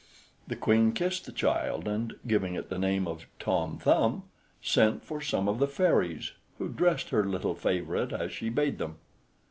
The queen kissed the child, and giving it the name of Tom Thumb, sent for some of the fairies, who dressed her little favorite as she bade them.